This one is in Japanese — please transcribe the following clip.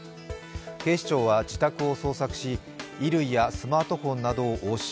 警視庁は自宅を捜索し、衣類やスマートフォンなどを押収。